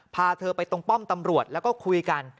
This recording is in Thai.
พาเธอไปตรงป้อมตำรวจแล้วก็คุยกัน